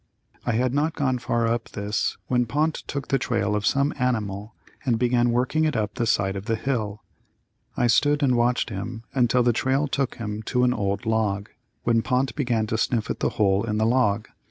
I had not gone far up this when Pont took the trail of some animal and began working it up the side of the hill. I stood and watched him until the trail took him to an old log, when Pont began to sniff at a hole in the log.